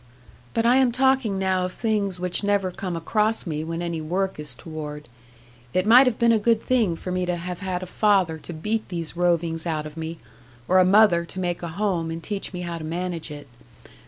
'But I am talking now of things which never come across me when any work is toward. It might have been a good thing for me to have had a father to beat these rovings out of me; or a mother to make a home, and teach me how to manage it.